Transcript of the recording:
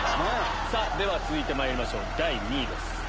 では続いてまいりましょう第２位です。